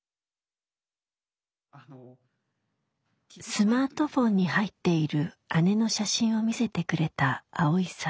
スマートフォンに入っている姉の写真を見せてくれたアオイさん。